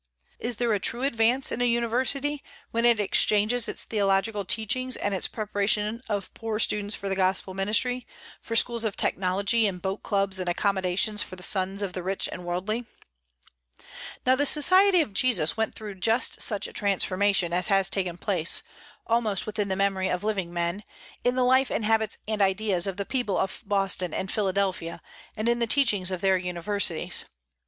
Is there a true advance in a university, when it exchanges its theological teachings and its preparation of poor students for the Gospel Ministry, for Schools of Technology and boat clubs and accommodations for the sons of the rich and worldly? Now the Society of Jesus went through just such a transformation as has taken place, almost within the memory of living men, in the life and habits and ideas of the people of Boston and Philadelphia and in the teachings of their universities.